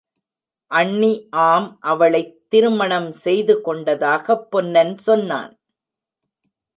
அண்ணி ஆம் அவளைத் திருமணம் செய்து கொண்டதாகப் பொன்னன் சொன்னன்!